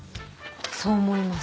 そう思います。